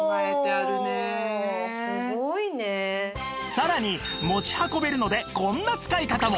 さらに持ち運べるのでこんな使い方も！